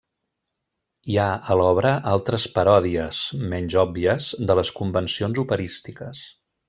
Hi ha a l'obra altres paròdies –menys òbvies– de les convencions operístiques.